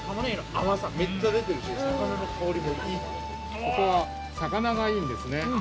◆ここは、魚がいいんですね。